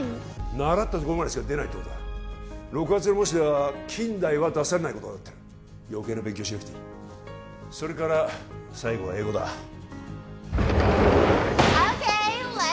習ったところまでしか出ないってことだ６月の模試では近代は出されないことになってるよけいな勉強はしなくていいそれから最後は英語だＯｋｅｙ！